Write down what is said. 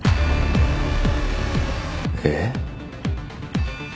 えっ？